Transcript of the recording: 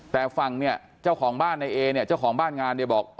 แต่ฝั่งเนี่ยเจ้าของบ้านในเอเนี่ยเจ้าของบ้านงานเนี่ยบอก